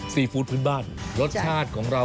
ซีฟู้ดพื้นบ้านรสชาติของเรา